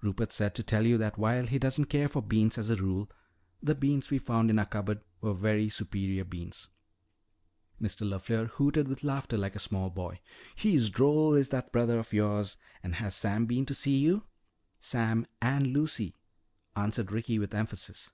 Rupert said to tell you that while he doesn't care for beans as a rule, the beans we found in our cupboard were very superior beans." Mr. LeFleur hooted with laughter like a small boy. "He is droll, is that brother of yours. And has Sam been to see you?" "Sam and Lucy," answered Ricky with emphasis.